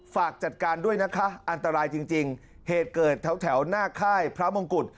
ฝากจัดการด้วยนะคะอันตรายจริงจริงเหตุเกิดแถวแถวหน้าค่ายพระมงกุฎ